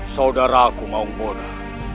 saudaraku mau modas